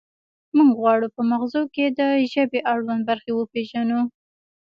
موږ غواړو په مغزو کې د ژبې اړوند برخې وپیژنو